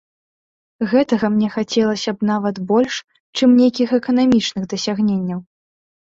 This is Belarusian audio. Гэтага мне хацелася б нават больш, чым нейкіх эканамічных дасягненняў.